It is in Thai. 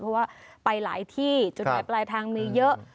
เพราะว่าไปหลายที่ไปทางมีเยอะ